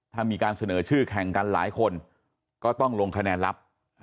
ถ้ามีการเสนอชื่อแข่งกันหลายคนก็ต้องลงคะแนนลับ